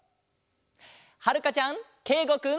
はるかちゃんけいごくん。